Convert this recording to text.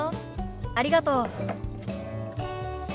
ありがとう。